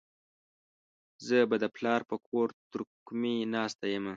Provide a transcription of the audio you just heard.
زه به د پلار په کور ترکمي ناسته يمه.